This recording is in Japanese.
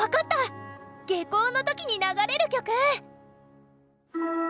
下校の時に流れる曲！